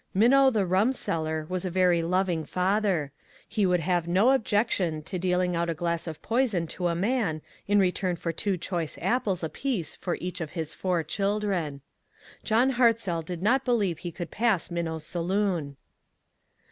Minnow, the rum seller, was a very loving father ; he would have no objection to dealing out a glass of poison to a man in return for two choice apples apiece for each of his four children. John Hartzell did not believe he could pass Minnow's saloon.